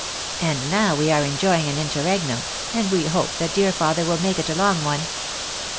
And now we are enjoying an interregnum, and we hope the dear father will make it a long one."